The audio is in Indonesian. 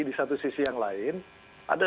di satu sisi yang lain ada